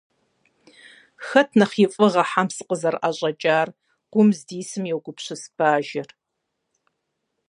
- Хэт нэхъ и фӏыгъэ хьэм сыкъызэрыӏэщӏэкӏар? - гъуэм здисым йогупсыс бажэр.